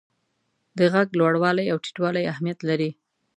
د ږغ لوړوالی او ټیټوالی اهمیت لري.